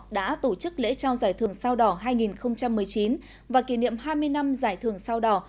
đã tổ chức lễ trao giải thưởng sao đỏ hai nghìn một mươi chín và kỷ niệm hai mươi năm giải thưởng sao đỏ